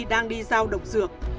đang đi giao độc dược